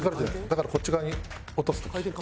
だからこっち側に落とす時。